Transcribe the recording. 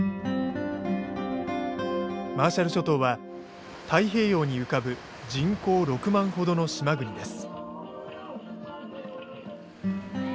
マーシャル諸島は太平洋に浮かぶ人口６万ほどの島国です。